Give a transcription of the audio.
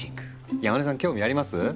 山根さん興味あります？